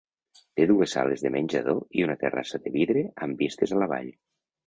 Té dues sales de menjador i una terrassa de vidre amb vistes a la vall.